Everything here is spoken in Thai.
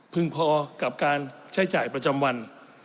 พอกับการใช้จ่ายประจำวัน